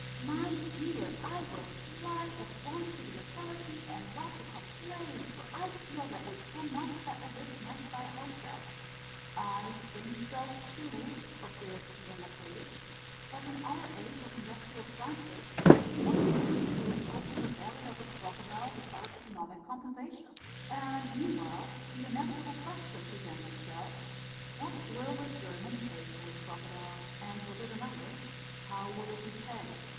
"My dear! I will fly at once to the authorities and lodge a complaint, for I feel that we cannot settle this mess by ourselves." "I think so too," observed Ivan Matveitch; "but in our age of industrial crisis it is not easy to rip open the belly of a crocodile without economic compensation, and meanwhile the inevitable question presents itself: What will the German take for his crocodile? And with it another: How will it be paid?